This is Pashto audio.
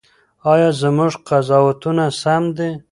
ایا زموږ قضاوتونه سم دي؟